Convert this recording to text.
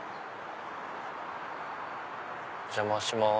お邪魔します。